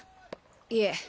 いえ